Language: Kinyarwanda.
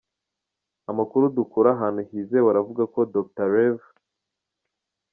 Amakuru dukura ahantu hizewe aravuga ko Dr. Rev.